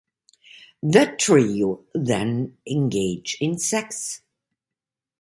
The trio then engage in sex.